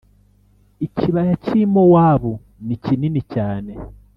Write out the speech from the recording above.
I kibaya cy i Mowabu ni kinini cyane